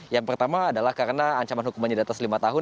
yang pertama adalah karena ancaman hukumannya di atas lima tahun